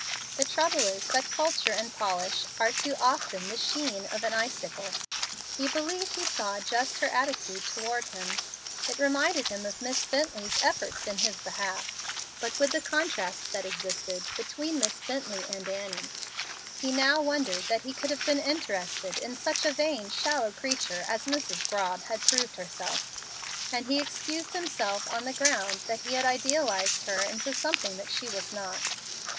The trouble is that culture and polish are too often the sheen of an icicle. He believed he saw just her attitude toward him. It reminded him of Miss Bently's efforts in his behalf, but with the contrast that existed between Miss Bently and Annie. He now wondered that he could have been interested in such a vain, shallow creature as Mrs. Grobb had proved herself, and he excused himself on the ground that he had idealized her into something that she was not.